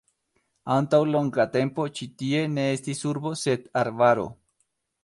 Antaŭ longa tempo ĉi tie ne estis urbo sed arbaro.